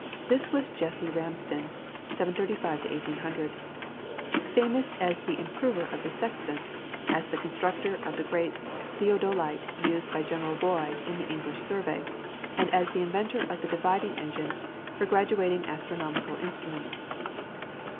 This was Jesse Ramsden (1735 1800), famous as the improver of the sextant, as the constructor of the great theodolite used by General Roy in the English Survey, and as the inventor of the dividing engine for graduating astronomical instruments.